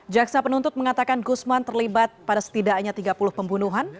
jaksa penuntut mengatakan gusman terlibat pada setidaknya tiga puluh pembunuhan